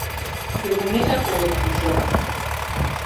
— Ӧкымешак огыт кучо.